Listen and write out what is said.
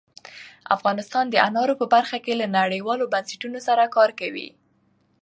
افغانستان د انارو په برخه کې له نړیوالو بنسټونو سره کار کوي.